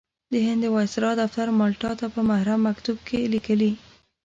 د هند د وایسرا دفتر مالټا ته په محرم مکتوب کې لیکلي.